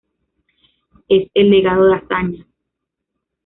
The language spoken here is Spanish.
Es el legado de Azaña.